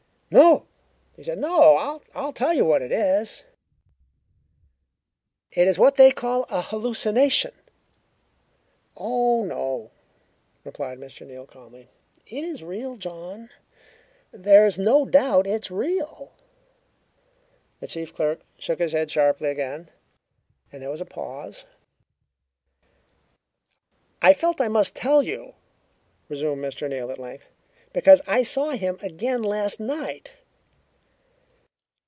"No!" he said. "No! I'll tell you what it is: it is what they call a hallucination." "Oh, no," replied Mr. Neal calmly. "It is real, John. There's no doubt it's real." The chief clerk shook his head sharply again, and there was a pause. "I felt I must tell you," resumed Mr. Neal at length, "because I saw him again last night."